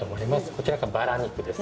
こちらからバラ肉です。